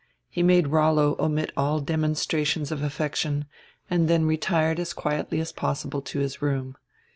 He made Rollo omit all demon strations of affection and then retired as quietly as pos sible to his room.